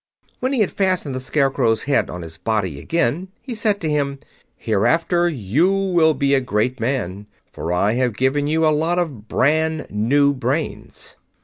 When he had fastened the Scarecrow's head on his body again he said to him, "Hereafter you will be a great man, for I have given you a lot of bran new brains."